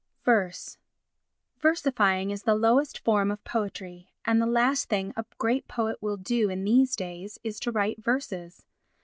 Verse Versifying is the lowest form of poetry; and the last thing a great poet will do in these days is to write verses.